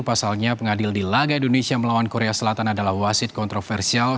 pasalnya pengadil di laga indonesia melawan korea selatan adalah wasit kontroversial